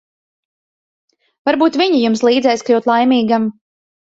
Varbūt viņa jums līdzēs kļūt laimīgam.